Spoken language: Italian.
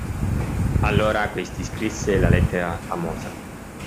Allora, questi scrisse la lettera famosa.